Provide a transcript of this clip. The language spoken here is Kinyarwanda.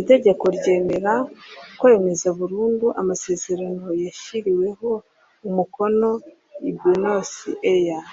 itegeko ryemera kwemeza burundu amasezerano yashyiriweho umukono i buenos aires